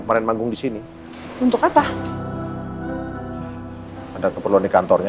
dari sana di sini tahu ga